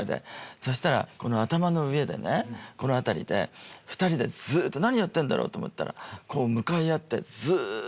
そしたらこの頭の上でこの辺りで２人でずっと何やってんだろう？と思ったら。